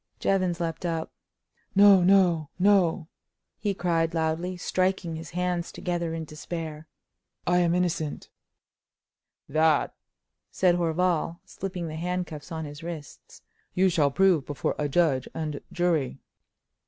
Jevons leaped up: "No, no, no!" he cried, loudly, striking his hands together in despair. "I am innocent!" "That," said Horval, slipping the handcuffs on his wrists, "you shall prove before a judge and jury."